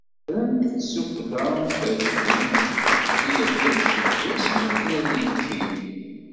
Fessrent-t sufella n yiferrugen i yiṭij deg wass i wakken ad yekkiw.